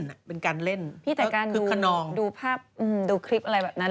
พี่แต่การดูภาพดูคลิปอะไรแบบนั้น